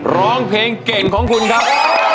ร้องเพลงเก่งของคุณครับ